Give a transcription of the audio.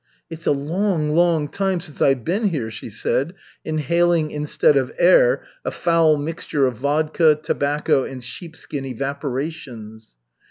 "It's a long, long time since I've been here," she said, inhaling instead of air a foul mixture of vodka, tobacco and sheepskin evaporations.